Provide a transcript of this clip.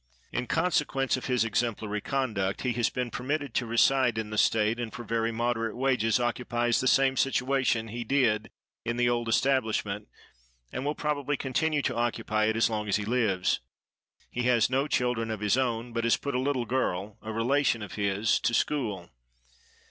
In consequence of his exemplary conduct, he has been permitted to reside in the state, and for very moderate wages occupies the same situation he did in the old establishment, and will probably continue to occupy it as long as he lives. He has no children of his own, but has put a little girl, a relation of his, to school.